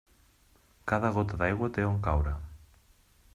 Cada gota d'aigua té on caure.